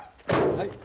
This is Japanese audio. はい。